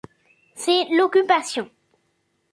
C’est l’occupation.